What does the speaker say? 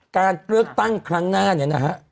การเลือกตั้งครั้งหน้าเนี่ยนะฮะ